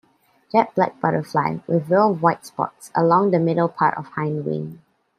Jet black butterfly with row of white spots along the middle part of hindwing.